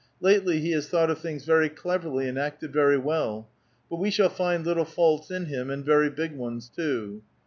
Lately he has thought of things very cleverly, and acted very well. But we shall find little faults in him, and very big ones, too."